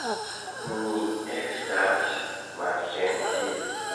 Mi estas malĝentila.